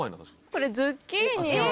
これズッキーニを。